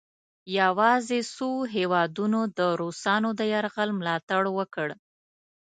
یواځې څو هیوادونو د روسانو د یرغل ملا تړ وکړ.